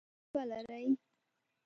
تبه لرئ؟